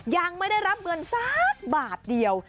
ยังไม่ได้รับเงินสักบาทเดียว